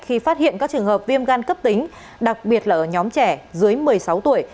khi phát hiện các trường hợp viêm gan cấp tính đặc biệt là ở nhóm trẻ dưới một mươi sáu tuổi